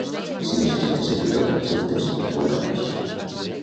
si necessites ajuda o tens dubtes, truca'ns